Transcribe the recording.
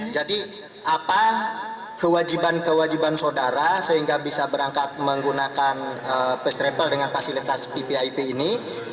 jadi apa kewajiban kewajiban saudara sehingga bisa berangkat menggunakan pest travel dengan fasilitas ppip ini